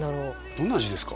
どんな味ですか？